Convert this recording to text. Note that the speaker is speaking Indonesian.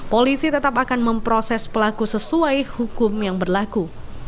polisi tetap akan memproses pelaku sesuai hukum yang berlaku